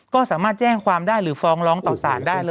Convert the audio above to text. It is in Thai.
ก็สามารถแจ้งความได้หรือฟ้องร้องต่อสารได้เลย